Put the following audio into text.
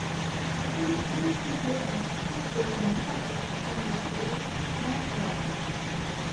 There was a Saint Peter and Saint Paul Roman Catholic Primary School, now closed.